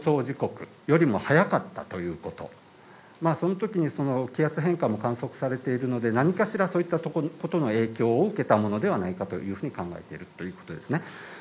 時刻よりも早かったということそのときに気圧変化も観測されているので何かしらそういったことの影響を受けた者ではないかというふうに考えているということです。